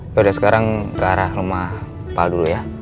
yaudah sekarang ke arah rumah pak dulu ya